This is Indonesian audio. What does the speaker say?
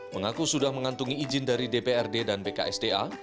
mengaku sudah mengantungi izin dari dprd dan bksda